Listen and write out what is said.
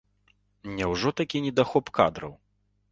Няўжо такі недахоп кадраў?